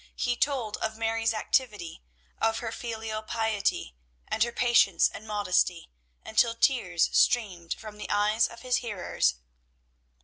He told of Mary's activity, of her filial piety, and her patience and modesty, until tears streamed from the eyes of his hearers.